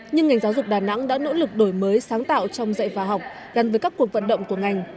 nhưng ngành giáo dục đà nẵng đã nỗ lực đổi mới sáng tạo trong dạy và học gắn với các cuộc vận động của ngành